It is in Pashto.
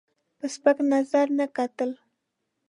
په سپک نظر نه کتل.